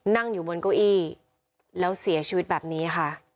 นั่งอยู่บนเก้าอี้แล้วเสียชีวิตแบบนี้ค่ะ